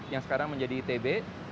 yang sekarang menjadi itb